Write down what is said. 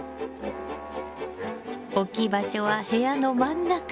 置き場所は部屋の真ん中。